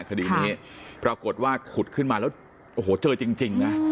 คดีนี้ปรากฏว่าขุดขึ้นมาแล้วโอ้โหเจอจริงนะ